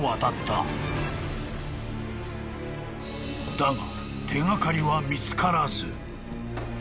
［だが］